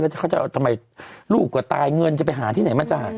แล้วเขาจะทำไมลูกก็ตายเงินจะไปหาที่ไหนมาจ่าย